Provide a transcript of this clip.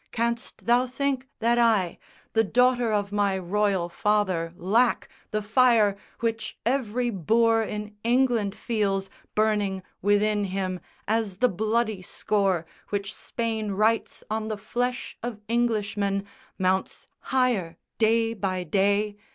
Canst thou think that I, The daughter of my royal father, lack The fire which every boor in England feels Burning within him as the bloody score Which Spain writes on the flesh of Englishmen Mounts higher day by day?